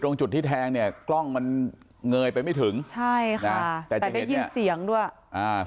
ตรงจุดที่แทงเนี่ยกล้องมันเงยไปไม่ถึงใช่ค่ะแต่แต่ได้ยินเสียงด้วยอ่า